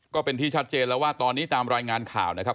ก็เป็นที่ชัดเจนแล้วว่าตอนนี้ตามรายงานข่าวนะครับ